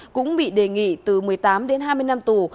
cũng bị đề nghị từ một mươi tám đến hai mươi năm tù